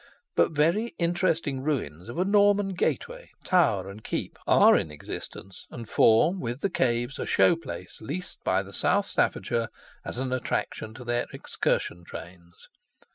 But very interesting ruins of a Norman gateway, tower, and keep, are in existence; and form, with the caves, a show place leased by the South Staffordshire as an attraction to their excursion trains.